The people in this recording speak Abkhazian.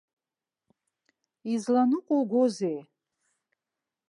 Изланыҟәугозеи?